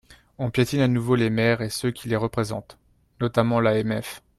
On piétine à nouveau les maires et ceux qui les représentent, notamment l’AMF.